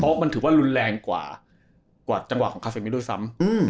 เพราะมันถือว่ารุนแรงกว่ากว่าจังหวะของเขาเสร็จไม่ได้ด้วยซ้ำอืม